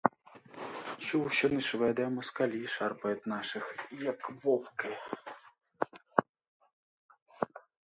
Чув, що не шведи, а москалі шарпають наших, як вовки.